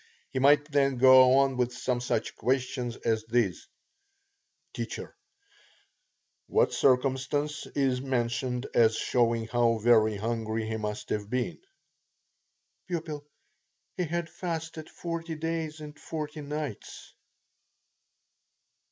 He might then go on with some such questions as these: T. What circumstance is mentioned as showing how very hungry he must have been? P. He had fasted forty days and forty nights.